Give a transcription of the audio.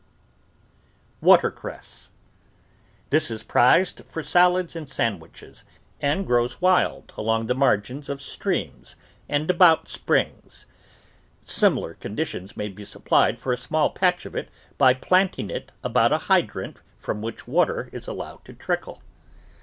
GREENS AND SALAD VEGETABLES WATER CRESS This is prized for salads and sandwiches, and grows wild along the margins of streams and about springs. Similar conditions may be supplied for a small patch of it by planting it about a hydrant from which water is allowed to trickle.